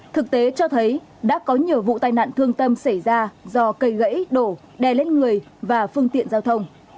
thực tế cho thấy đã có nhiều vụ tai nạn thương tâm xảy ra do cây gãy đổ đè lên người và phương tiện giao thông